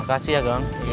makasih terus helping